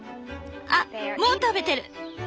あっもう食べてる！